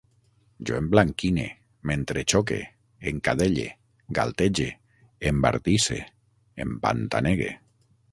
Jo emblanquine, m'entrexoque, encadelle, galtege, embardisse, empantanegue